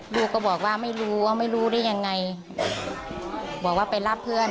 ลูกก็บอกว่าไม่รู้ว่าไม่รู้ได้ยังไงบอกว่าไปรับเพื่อน